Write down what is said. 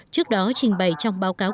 trước đó trình bày trong báo cáo